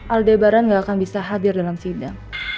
aldebaran gak akan bisa hadir dalam sidang